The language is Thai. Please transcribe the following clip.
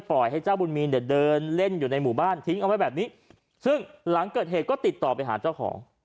ให้เจ้าบุญมีนเนี่ยเดินเล่นอยู่ในหมู่บ้านทิ้งเอาไว้แบบนี้ซึ่งหลังเกิดเหตุก็ติดต่อไปหาเจ้าของ